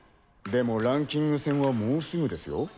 でもランキング戦はもうすぐですよ。